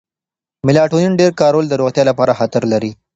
میلاټونین ډېر کارول د روغتیا لپاره خطر لري.